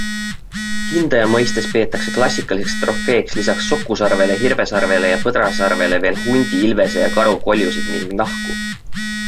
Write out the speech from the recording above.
Hindaja mõistes peetakse klassikaliseks trofeeks lisaks sokusarvele, hirvesarvele ja põdrasarvele veel hundi, ilvese ja karu koljusid ning nahku.